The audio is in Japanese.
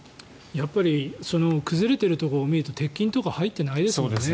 崩れているところを見ると鉄筋とか入ってないですよね。